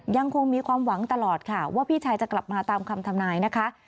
ยังคงมีความหวังตลอดค่ะว่าพี่ชายจะกลับมาตามคำทำนายนะคะ